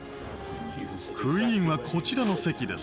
クイーンはこちらの席です。